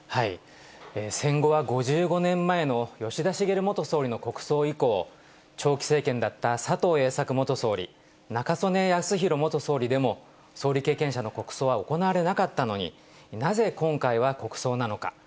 戦後は５５年前の吉田茂元総理の国葬以降、長期政権だった佐藤栄作元総理、中曽根康弘元総理でも、総理経験者の国葬は行われなかったのに、なぜ今回は国葬なのか。